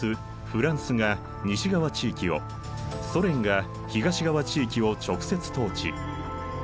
フランスが西側地域をソ連が東側地域を直接統治。